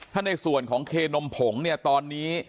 ถ้าในส่วนของเคนมผงเนี่ยตอนนี้